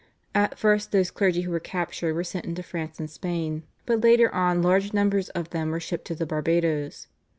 At first those clergy who were captured were sent into France and Spain, but later on large numbers of them were shipped to the Barbadoes.